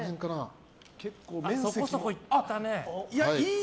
そこそこいったね。